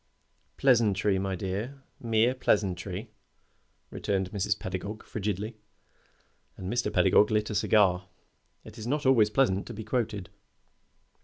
"Pleasantry, my dear mere pleasantry," returned Mrs. Pedagog, frigidly. And Mr. Pedagog lit a cigar. It is not always pleasant to be quoted.